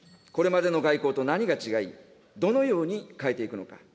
これまでの外交と何が違い、どのように変えていくのか。